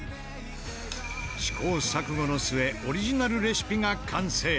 試行錯誤の末オリジナルレシピが完成。